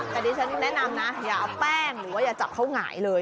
แต่ดิฉันแนะนำนะอย่าเอาแป้งหรือว่าอย่าจับเขาหงายเลย